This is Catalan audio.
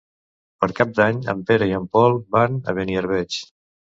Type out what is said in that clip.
Per Cap d'Any en Pere i en Pol van a Beniarbeig.